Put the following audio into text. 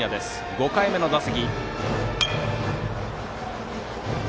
５回目の打席。